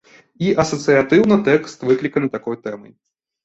І асацыятыўна тэкст выкліканы такой тэмай.